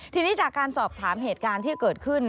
ทีนี้จากการสอบถามเหตุการณ์ที่เกิดขึ้น